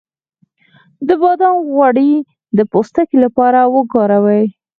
د بادام غوړي د پوستکي لپاره وکاروئ